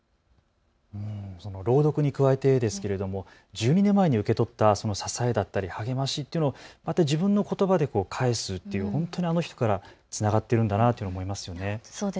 １２年前に受け取った支えだったり励ましっていうのをまた自分のことばで返すっていう、ほんとにあの日からつながっているんだなと思います。